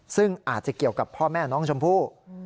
ซึ่งอาจจะเกี่ยวกับพ่อแม่น้องชมพู่